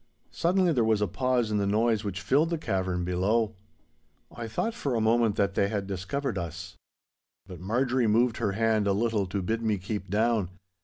Suddenly there was a pause in the noise which filled the cavern below. I thought for a moment that they had discovered us. But Marjorie moved her hand a little to bid me keep down.